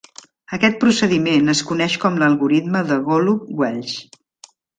Aquest procediment es coneix com l'"algoritme de Golub-Welsch".